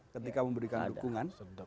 ketika memberikan dukungan